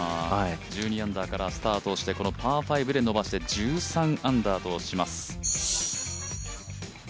１２アンダーからスタートしてパー５で伸ばして１３アンダーとします。